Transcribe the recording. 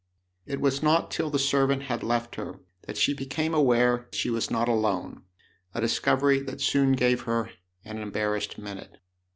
It was not till the servant had left her that she became aware she was not alone a discovery that soon gave her an embarrassed minute.